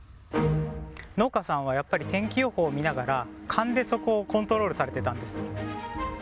農家さんはやっぱり天気予報を見ながら、勘でそこをコントロールされてたんです。